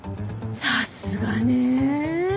さすがね！